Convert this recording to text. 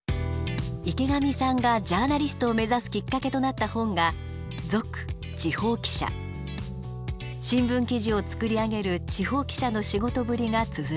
池上さんがジャーナリストを目指すきっかけとなった本が新聞記事を作り上げる地方記者の仕事ぶりがつづられています。